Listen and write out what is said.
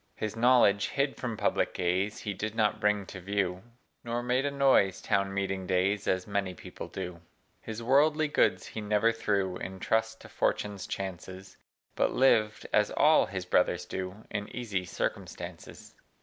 His knowledge, hid from public gaze, He did not bring to view, Nor made a noise, town meeting days, As many people do. His worldly goods he never threw In trust to fortune's chances, But lived (as all his brothers do) In easy circumstances.